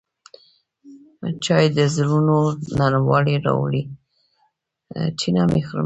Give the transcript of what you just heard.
چای د زړونو نرموالی راولي